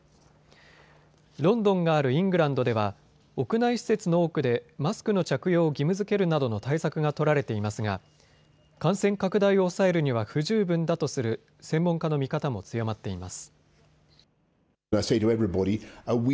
ロンドンがあるイングランドでは屋内施設の多くでマスクの着用を義務づけるなどの対策が取られていますが感染拡大を抑えるには不十分だとする専門家の見方も強まっています。